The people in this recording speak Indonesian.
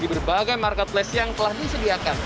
di berbagai marketplace yang telah disediakan